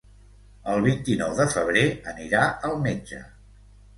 El vint-i-nou de febrer anirà al metge.